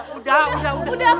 bu ndak boleh ambil le digam